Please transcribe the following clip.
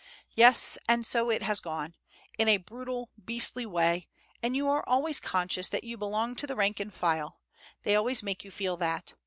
Yes, and so it has gone in a brutal, beastly way, and you are always conscious that you belong to the rank and file; they always make you feel that.